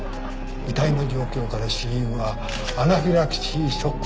遺体の状況から死因はアナフィラキシーショックと思われます。